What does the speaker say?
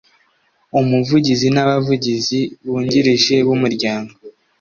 Umuvugizi n abavugizi bungirije b Umuryango